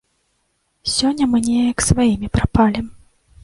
Сёння мы неяк сваімі прапалім.